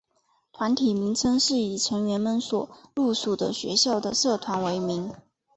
团体名称是以成员们所隶属的学校的社团为名。